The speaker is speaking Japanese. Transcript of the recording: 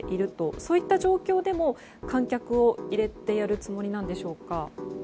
そういった状況でも観客を入れてやるつもりなんでしょうか？